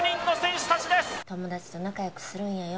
友達と仲良くするんやよ